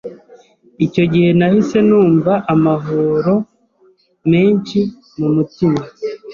icyo gihe nahise numva amahoro menshi mu mutima